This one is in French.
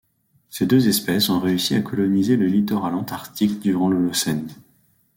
Ces deux espèces ont réussi à coloniser le littoral antarctique durant l'Holocène.